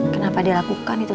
kenapa dia lakukan itu